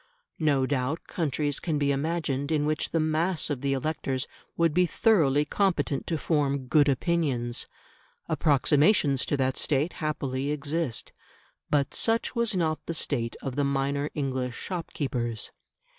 No doubt countries can be imagined in which the mass of the electors would be thoroughly competent to form good opinions; approximations to that state happily exist. But such was not the state of the minor English shopkeepers.